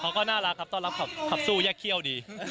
เขาก็น่ารักครับต้อนรับขับสู้แยกเขี้ยวดี